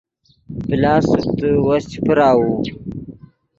پلاس سوکتے وس چے پراؤو